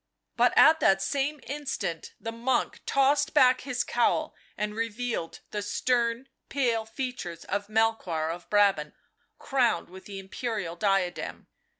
... But at that same instant the monk tossed back his cowl and revealed the stern, pale features of Melchoir of Brabant, crowned with the imperial diadem.